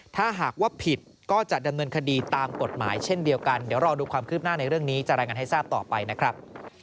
ถ้าหากว่าผิดก็จะดำเนินคดีตามกฎหมายเช่นเดียวกันเดี๋ยวรอดูความคืบหน้าในเรื่องนี้จะรายงานให้ทราบต่อไปนะครับ